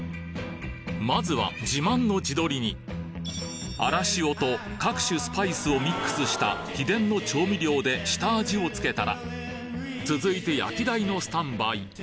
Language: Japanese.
まずは自慢の地鶏にあらしおと各種スパイスをミックスした秘伝の調味料で下味をつけたら続いて焼き台のスタンバイ